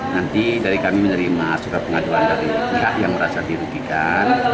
nanti dari kami menerima surat pengaduan dari pihak yang merasa dirugikan